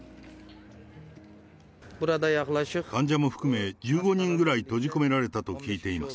患者も含め、１５人ぐらい閉じ込められたと聞いています。